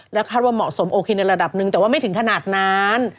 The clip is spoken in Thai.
คาดว่าเหมาะสมโอเคในระดับหนึ่งแต่ว่าไม่ถึงขนาดนั้น